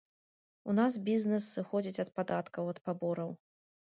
У нас бізнэс сыходзіць ад падаткаў, ад пабораў.